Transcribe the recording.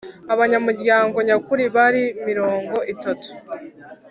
abanyamuryango nyakuri bari mirongo itatu